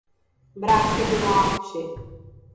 Braço do Norte